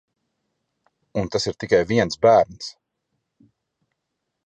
Un tas ir tikai viens bērns...